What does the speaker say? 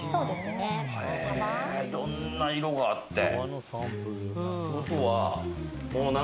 へえ、いろんな色があって。